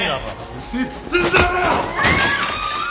うるせえっつってんだろ！